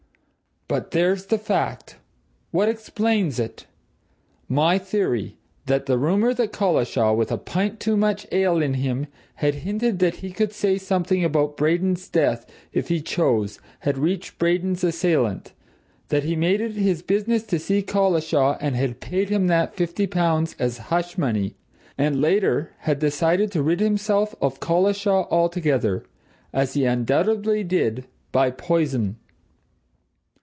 But there's the fact! What explains it? My theory that the rumour that Collishaw, with a pint too much ale in him, had hinted that he could say something about Braden's death if he chose, had reached Braden's assailant; that he had made it his business to see Collishaw and had paid him that fifty pounds as hush money and, later, had decided to rid himself of Collishaw altogether, as he undoubtedly did, by poison."